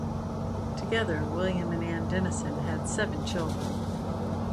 Together, William and Anne Dennison had seven children.